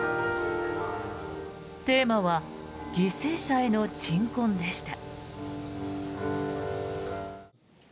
テーマは「犠牲者への鎮魂」でした。